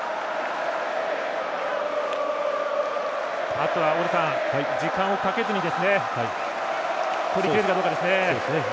あとは大野さん時間をかけずにとりきれるかどうかですね。